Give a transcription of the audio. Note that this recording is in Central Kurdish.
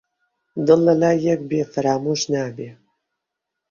دڵ لە لای یەک بێ فەرامۆش نابێ